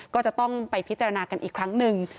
ก็จะต้องไปพิจารณากันอีกครั้งหนึ่ง